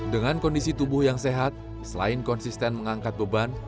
dengan kondisi tubuh yang sehat selain konsisten mengangkat beban